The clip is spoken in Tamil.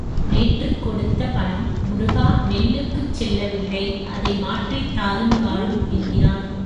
நேற்றுக் கொடுத்த பணம் முருகா நெல்லுக்குச் செல்லவில்லை அதை மாற்றித் தாருங்காணும் என்கிறான்.